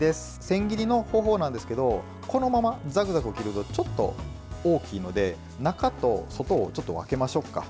千切りの方法なんですけどこのままザクザク切るとちょっと大きいので中と外を分けましょうか。